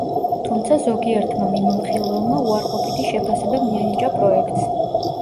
თუმცა ზოგიერთმა მიმოხილველმა უარყოფითი შეფასება მიანიჭა პროექტს.